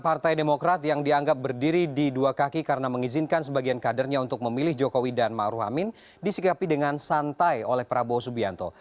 partai demokrat yang dianggap berdiri di dua kaki karena mengizinkan sebagian kadernya untuk memilih jokowi dan ⁇ maruf ⁇ amin disikapi dengan santai oleh prabowo subianto